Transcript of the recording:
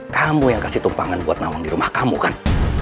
kamu yang kasih tumpangan buat nawang di rumah kamu kan